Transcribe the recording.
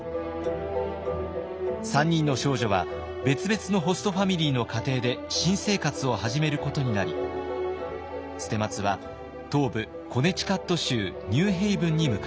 ３人の少女は別々のホストファミリーの家庭で新生活を始めることになり捨松は東部コネチカット州ニューヘイブンに向かいます。